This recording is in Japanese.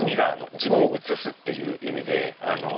自分を映すっていう意味で。